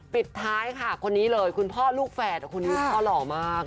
ปิดท้ายค่ะคนนี้เลยคุณพ่อลูกแฝดคนนี้พ่อหล่อมาก